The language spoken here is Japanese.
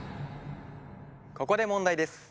ここで問題です。